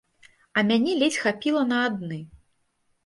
А мяне ледзь хапіла на адны.